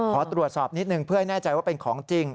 ขอตรวจสอบนิดนึงเพื่อให้แน่ใจว่าเป็นของจริง